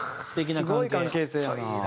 すごい関係性やな。